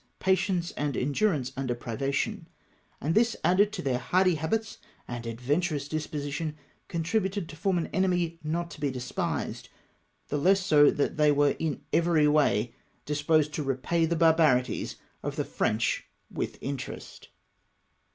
patience and endurance under privation ; and this added to their hardy habits and adventurous disposition, contributed to form an enemy not to be despised — the less so that they were in every way disposed to repay the barbarities of the French Avith interest.